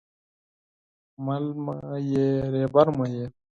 مل مې یې، رهبر مې یې